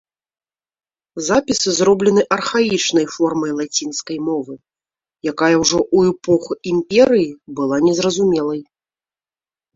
Запісы зроблены архаічнай формай лацінскай мовы, якая ўжо ў эпоху імперыі была незразумелай.